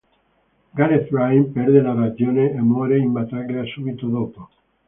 Gareth Bryne perde la ragione e muore in battaglia subito dopo.